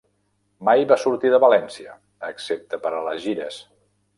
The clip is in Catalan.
Mai va sortir de València, excepte per a les gires.